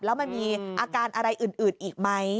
แล้วมันมีอาการอะไรอื่นอีกไหม